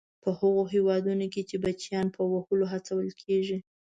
په هغو هېوادونو کې چې بچیان په وهلو هڅول کیږي.